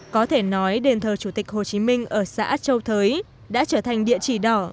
có thể nói đền thờ chủ tịch hồ chí minh ở xã châu thới đã trở thành địa chỉ đỏ